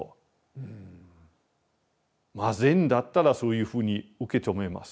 まあ禅だったらそういうふうに受け止めますね。